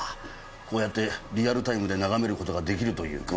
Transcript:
こうやってリアルタイムで眺める事が出来るという具合です。